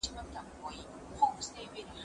خو اوږده لکۍ يې غوڅه سوه لنډی سو